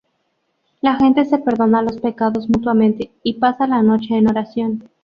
La gente se perdona los pecados mutuamente y pasa la noche en oración.